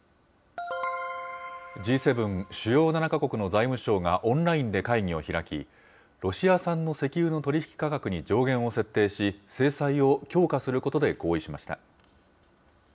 Ｇ７・主要７か国の財務相がオンラインで会議を開き、ロシア産の石油の取り引き価格に上限を設定し、制裁を強化することで合意しました。